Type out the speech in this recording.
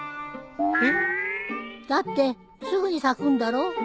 へっ？だってすぐに咲くんだろ？